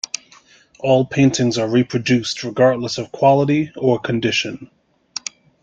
All paintings are reproduced regardless of quality or condition.